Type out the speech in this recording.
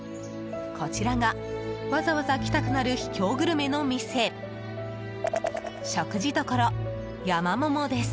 こちらが、わざわざ来たくなる秘境グルメの店食事処山ももです。